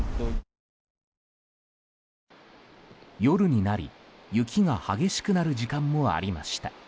夜になり、雪が激しくなる時間もありました。